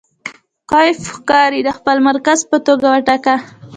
کیف ښاریې د خپل مرکز په توګه وټاکه.